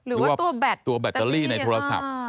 หรือว่าตัวแบตเตอรี่ในโทรศัพท์